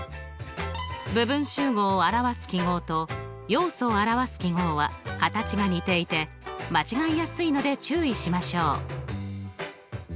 部分集合を表す記号と要素を表す記号は形が似ていて間違いやすいので注意しましょう。